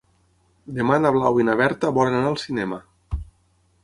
Demà na Blau i na Berta volen anar al cinema.